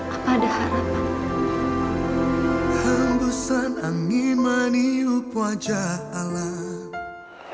apa ada harapan